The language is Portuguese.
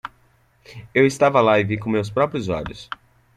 Eu estava lá e vi com meus próprios olhos.